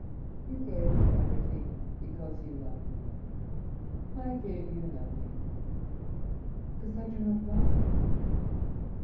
"You gave me everything because you love me. I gave you nothing because I do not love you."